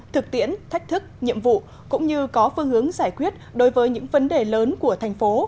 thực tiễn thách thức nhiệm vụ cũng như có phương hướng giải quyết đối với những vấn đề lớn của thành phố